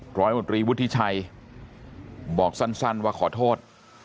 ร้อยมตรีวุฒิชัยบอกสั้นว่าขอโทษ